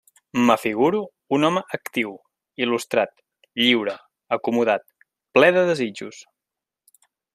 M'afiguro un home actiu, il·lustrat, lliure, acomodat, ple de desitjos.